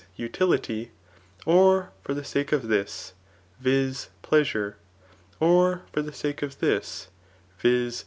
utility,] or for the sake of this, [viz. pleasure,] or for the sake of this, [viz.